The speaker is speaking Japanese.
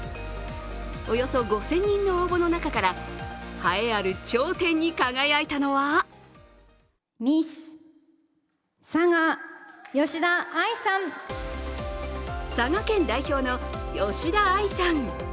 およそ５０００人の応募の中から栄えある頂点に輝いたのは佐賀県代表の吉田愛さん。